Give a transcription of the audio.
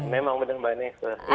memang benar banyak